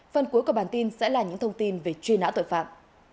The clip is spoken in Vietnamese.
phần cuối của bản tin sẽ là những thông tin về truy nã tội phạm